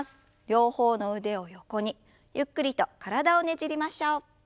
両方の腕を横にゆっくりと体をねじりましょう。